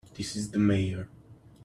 This is the Mayor.